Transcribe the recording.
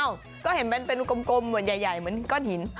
อ้าวก็เห็นมันเป็นกลมใหญ่เหมือนก้อนหิน